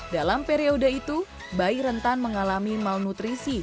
dalam periode itu bayi rentan mengalami malnutrisi